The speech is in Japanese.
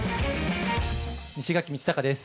西垣道隆です。